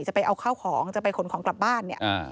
ไปเอาข้าวของจะไปขนของกลับบ้านเนี่ย